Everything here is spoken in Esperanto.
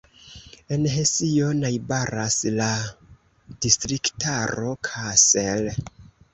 En Hesio najbaras la distriktaro Kassel.